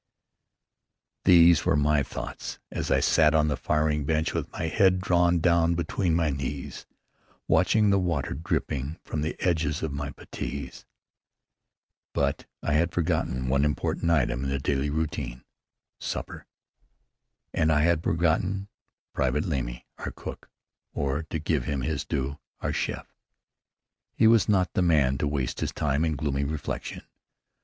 These were my thoughts as I sat on the firing bench with my head drawn down between my knees watching the water dripping from the edges of my puttees. But I had forgotten one important item in the daily routine: supper. And I had forgotten Private Lemley, our cook, or, to give him his due, our chef. He was not the man to waste his time in gloomy reflection.